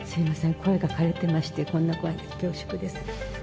声がかれてまして、こんな声で恐縮です。